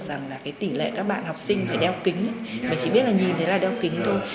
rằng là cái tỷ lệ các bạn học sinh phải đeo kính mà chỉ biết là nhìn thấy là đeo kính thôi